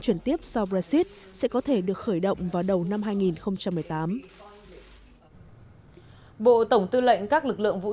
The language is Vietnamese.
chuyển tiếp sau brexit sẽ có thể được khởi động vào đầu năm hai nghìn một mươi tám bộ tổng tư lệnh các lực lượng vũ